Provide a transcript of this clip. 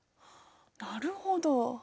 なるほど。